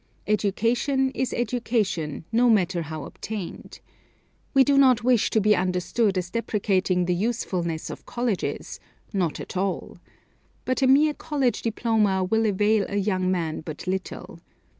Education is education, no matter how obtained. We do not wish to be understood as depreciating the usefulness of colleges; not at all. But a mere college diploma will avail a young man but little.